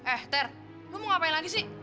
eh ter kamu mau ngapain lagi sih